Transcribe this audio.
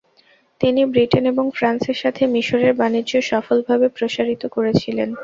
তিনি ব্রিটেন এবং ফ্রান্সের সাথে মিশরের বাণিজ্য সফলভাবে প্রসারিত করেছিলেন।